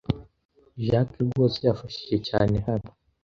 Jacques rwose yafashije cyane hano.